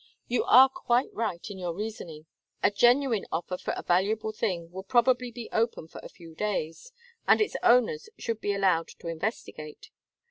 You are quite right in your reasoning; a genuine offer for a valuable thing would probably be open for a few days, and its owners should be allowed to investigate.